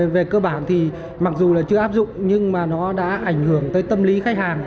về cơ bản thì mặc dù là chưa áp dụng nhưng mà nó đã ảnh hưởng tới tâm lý khách hàng